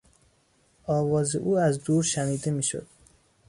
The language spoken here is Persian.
آواز او از دور شنیده میشد.